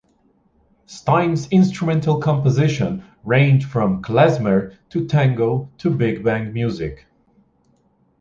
Stein's instrumental compositions range from klezmer to tango to big band music.